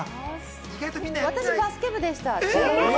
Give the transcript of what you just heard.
私、バスケ部でした。